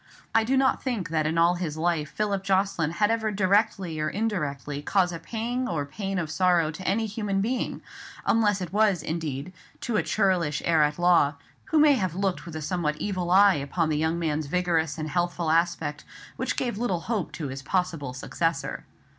I do not think that in all his life Philip Jocelyn had ever directly or indirectly caused a pang of pain or sorrow to any human being, unless it was, indeed, to a churlish heir at law, who may have looked with a somewhat evil eye upon the young man's vigorous and healthful aspect, which gave little hope to his possible successor.